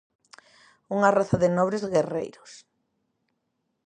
Unha raza de nobres guerreiros.